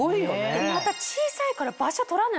また小さいから場所取らないし。